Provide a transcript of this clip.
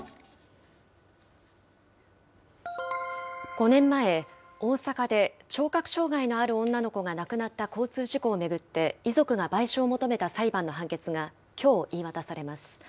５年前、大阪で聴覚障害のある女の子が亡くなった交通事故を巡って、遺族が賠償を求めた裁判の判決がきょう言い渡されます。